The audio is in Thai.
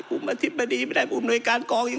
คุ้มอธิบตรีไม่ได้